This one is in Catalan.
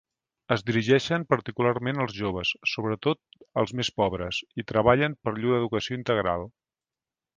Es dirigeixen particularment als joves, sobretot als més pobres, i treballen per llur educació integral.